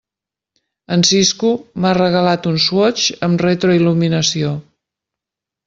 En Sisco m'ha regalat un Swatch amb retroil·luminació.